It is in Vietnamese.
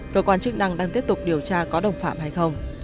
cơ quan chức năng đang tiếp tục điều tra có đồng phạm hay không